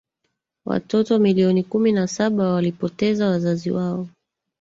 watoto milioni kumi na saba walipoteza wazazi wao